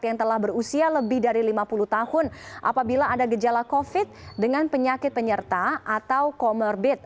yang telah berusia lebih dari lima puluh tahun apabila ada gejala covid dengan penyakit penyerta atau comorbid